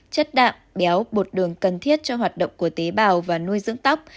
chất đạm béo bột đường cần thiết cho hoạt động của tế bào và nuôi dưỡng tóc